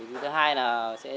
thứ hai là sẽ giảm khó khăn